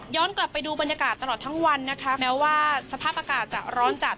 กลับไปดูบรรยากาศตลอดทั้งวันนะคะแม้ว่าสภาพอากาศจะร้อนจัด